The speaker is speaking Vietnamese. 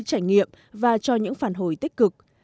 trải nghiệm và cho những phản hồi tích cực